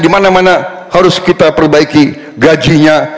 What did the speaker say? dimana mana harus kita perbaiki gajinya